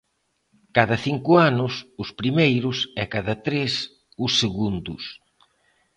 Cada cinco anos, os primeiros, e cada tres, os segundos.